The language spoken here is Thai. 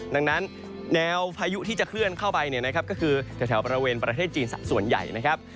ดังนั้นแนวพายุที่จะเคลื่อนเข้าไปเนี่ยนะครับก็คือแถวบริเวณประเทศจีนส่วนใหญ่นะครับ